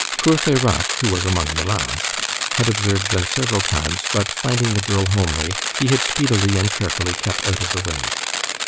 Courfeyrac, who was among the last, had observed them several times, but, finding the girl homely, he had speedily and carefully kept out of the way.